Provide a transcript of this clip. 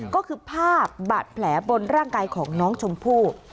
ก็คือภาพบาดแผลบนร่างกายของน้องชมพู่